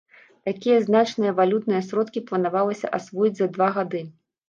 Такія значныя валютныя сродкі планавалася асвоіць за два гады.